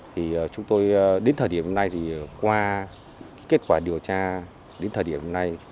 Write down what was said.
thì chúng tôi đến thời điểm này thì qua kết quả điều tra đến thời điểm này